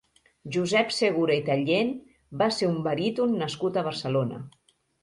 Josep Segura i Tallien va ser un baríton nascut a Barcelona.